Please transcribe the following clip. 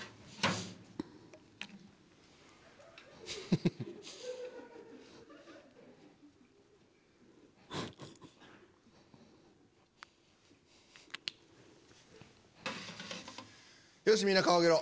・フフフ・よしみんな顔上げろ。